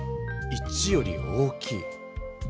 １より大きい。